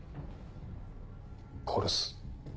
殺す。